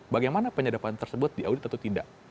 bagaimana penyadapan tersebut diaudit atau tidak